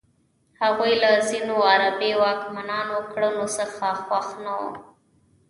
هغوی له ځینو عربي واکمنانو کړنو څخه خوښ نه وو.